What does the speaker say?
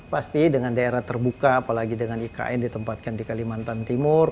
pasti dengan daerah terbuka apalagi dengan ikn ditempatkan di kalimantan timur